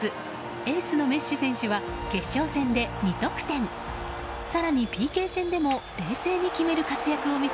エースのメッシ選手は決勝戦で２得点更に、ＰＫ戦でも冷静に決める活躍を見せ